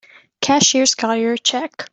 Cashier's got your check.